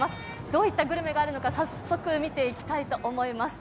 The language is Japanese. どういったグルメがあるのか早速見ていきたいと思います。